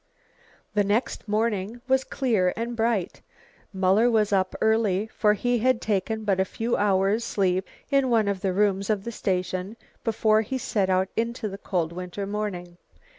The next morning was clear and bright. Muller was up early, for he had taken but a few hours sleep in one of the rooms of the station, before he set out into the cold winter morning.